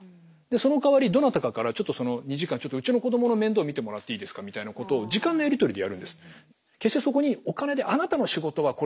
でそのかわりどなたかからちょっとその２時間ちょっとうちの子供の面倒を見てもらっていいですかみたいなことを時間のやり取りでやるんです。